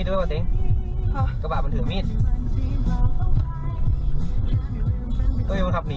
ตรงนี้อาจจะมีรถรถเก๋งเนี่ย